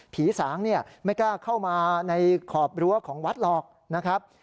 สางเนี่ยไม่กล้าเข้ามาในขอบรั้วของวัดหรอกนะครับ